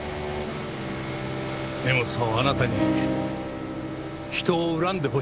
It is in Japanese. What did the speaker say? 根本さんはあなたに人を恨んでほしくなかった。